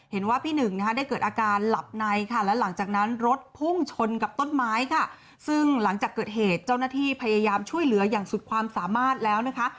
เห็นว่าพี่หนึ่งนะคะได้เกิดอาการหลับในค่ะและหลังจากนั้นรถพุ่งชนกับต้นไม้ค่ะซึ่งหลังจากเกิดเหตุเจ้าหน้าที่พยายามช่วยเหลืออย่างสุดความสามารถแล้วนะคะ